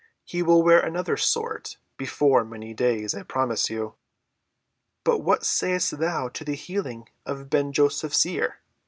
"He will wear another sort before many days, I promise you." "But what sayest thou to the healing of Ben‐Joseph's ear?"